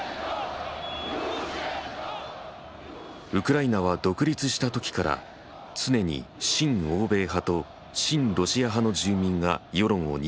ウクライナは独立したときから常に親欧米派と親ロシア派の住民が世論を二分してきた。